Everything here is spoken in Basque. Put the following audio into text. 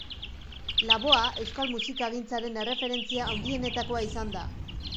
Laboa euskal musikagintzaren erreferentzia handienetakoa izan da